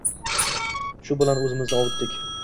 Shu bilan oʻzimizni ovutdik